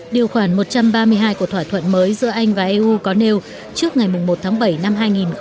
điều khoản một trăm ba mươi hai của thỏa thuận mới giữa anh và eu có nêu trước ngày một tháng bảy năm hai nghìn một mươi năm